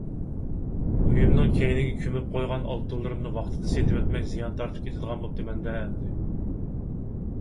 ئۆيۈمنىڭ كەينىگە كۆمۈپ قويغان ئالتۇنلىرىمنى ۋاقتىدا سېتىۋەتمەي زىيان تارتىپ كېتىدىغان بوپتىمەن-دە ئەمدى!